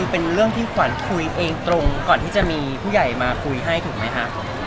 เป็นเรื่องที่ขวัญคุยเองตรงก่อนที่จะมีผู้ใหญ่มาคุยให้ถูกไหมคะ